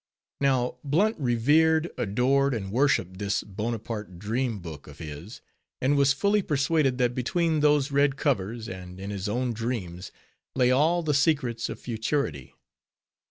Now, Blunt revered, adored, and worshiped this Bonaparte Dream Book of his; and was fully persuaded that between those red covers, and in his own dreams, lay all the secrets of futurity.